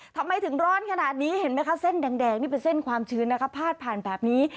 ทำไมถึงร้อนขนาดนี้เห็นไหมคะเส้นแดงนี่เป็นเส้นความชื้นนะคะพาดผ่านแบบนี้